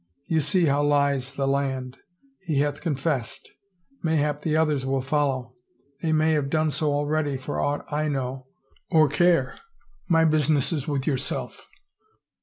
You see how lies the land. He hath confessed; mayhap the others will follow — they may have so done already for aught I know or care. My business is with yourself.